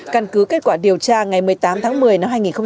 căn cứ kết quả điều tra ngày một mươi tám tháng một mươi năm hai nghìn hai mươi